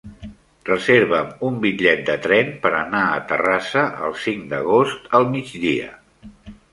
Reserva'm un bitllet de tren per anar a Terrassa el cinc d'agost al migdia.